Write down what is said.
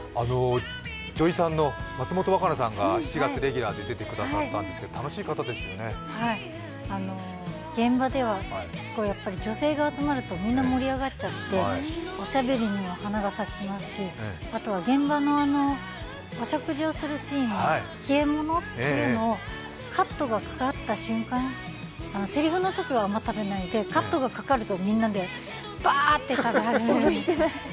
女医さんの松本若菜さんが７月レギュラーで出てくださっていたんですけど、現場では、女性が集まるとみんな盛り上がっちゃっておしゃべりにも花が咲きますし、あとは現場のお食事をするシーン消え物というのをカットがかかった瞬間、せりふのときはあまり食べないで、カットがかかると、みんなでバーッて食べ始めるんです。